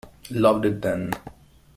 Loved it then.